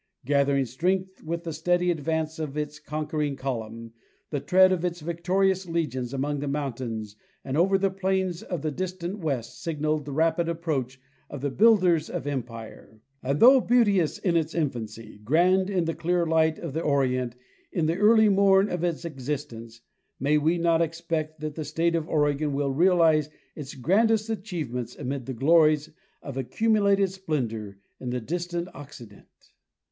Gathering strength with the steady advance of its conquering column, the tread of its victorious legions among the mountains and over the plains of the distant west signaled the rapid approach of the builders of empire; and though beauteous in its infancy, grand in the clear light of the Orient in the early morn of its existence, may we not expect that the state of Oregon will realize its grandest achievements amid the glories of accumulated splendor in the distant Occident